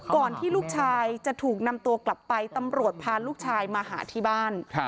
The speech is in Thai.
ก่อนที่ลูกชายจะถูกนำตัวกลับไปตำรวจพาลูกชายมาหาที่บ้าน